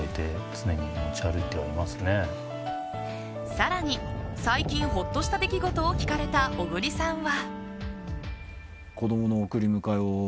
更に、最近ほっとした出来事を聞かれた小栗さんは。